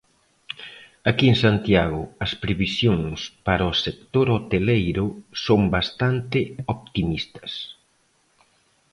Aquí en Santiago, as previsións para o sector hoteleiro son bastante optimistas.